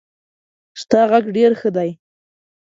ستا غږ ډېر ښه دی.